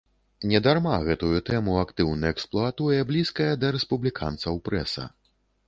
Не дарма гэтую тэму актыўна эксплуатуе блізкая да рэспубліканцаў прэса.